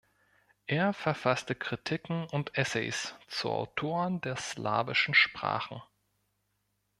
Er verfasste Kritiken und Essays zu Autoren der slawischen Sprachen.